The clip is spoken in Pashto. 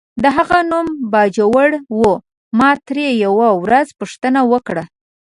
د هغه نوم باجوړی و، ما ترې یوه ورځ پوښتنه وکړه.